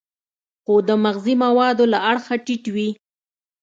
خو د مغذي موادو له اړخه ټیټ وي.